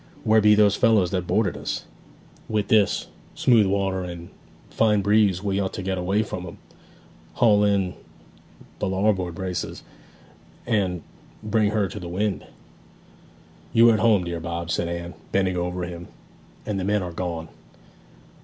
'Where be those fellows that boarded us? With this smooth water and fine breeze we ought to get away from 'em. Haul in the larboard braces, and bring her to the wind.' 'You are at home, dear Bob,' said Anne, bending over him, 'and the men are gone.'